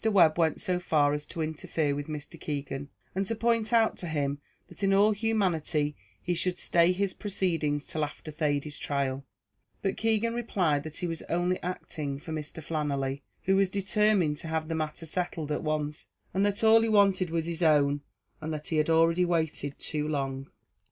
Webb went so far as to interfere with Mr. Keegan, and to point out to him that in all humanity he should stay his proceedings till after Thady's trial, but Keegan replied that he was only acting for Mr. Flannelly, who was determined to have the matter settled at once; that all he wanted was his own, and that he had already waited too long.